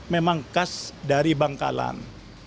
memang khas dari bangkalan